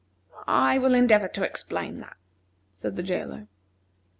"I will endeavor to explain that," said the jailer.